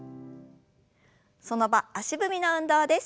その場足踏みの運動です。